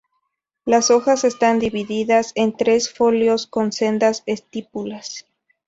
Las hojas están divididas en tres foliolos con sendas estípulas.